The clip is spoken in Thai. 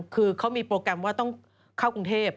คือเขามีโปรแกรมว่าต้องเข้ากรุงเทพ